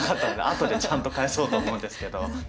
後でちゃんと返そうと思うんですけど。